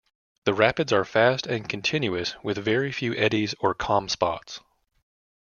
The rapids are fast and continuous, with very few eddies or calm spots.